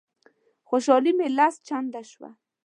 خوشالي مي لس چنده شوه.